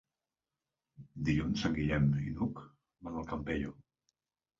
Dilluns en Guillem i n'Hug van al Campello.